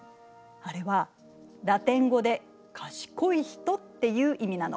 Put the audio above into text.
あれはラテン語で「賢いヒト」っていう意味なの。